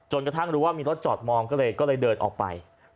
กระทั่งรู้ว่ามีรถจอดมองก็เลยเดินออกไป